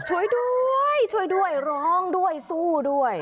ช่วยด้วยช่วยด้วยร้องด้วยสู้ด้วย